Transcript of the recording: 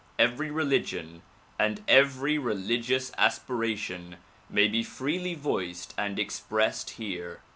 Every religion and every religious aspiration may be freely voiced and expressed here.